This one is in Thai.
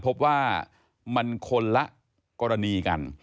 พบว่ามันคนละกรณีกัน